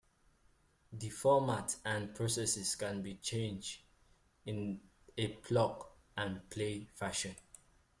The formats and processes can be changed in a plug and play fashion.